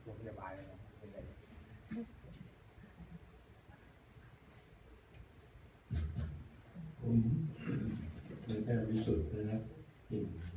คุณแม่งแม่งวิสุทธิ์นะครับ